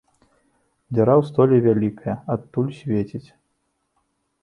Дзіра ў столі вялікая, адтуль свеціць.